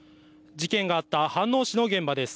事件があった飯能市の現場です。